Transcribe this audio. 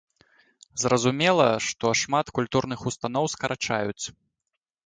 Зразумела, што шмат культурных устаноў скарачаюць.